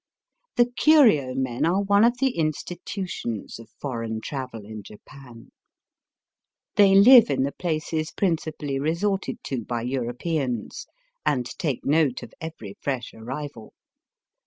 The curio men are one of the institutions of foreign travel in Japan. They live in the places principally resorted to by Europeans, and take note of every fresh arrival.